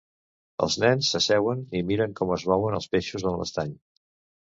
Els nens s'asseuen i miren com es mouen els peixos en l'estany